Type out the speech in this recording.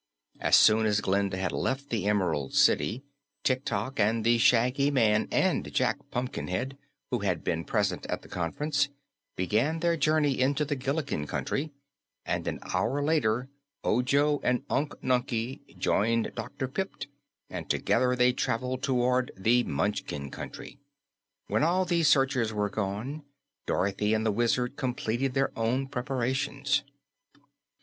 As soon as Glinda had left the Emerald City, Tik Tok and the Shaggy Man and Jack Pumpkinhead, who had been present at the conference, began their journey into the Gillikin Country, and an hour later Ojo and Unc Nunkie joined Dr. Pipt and together they traveled toward the Munchkin Country. When all these searchers were gone, Dorothy and the Wizard completed their own preparations.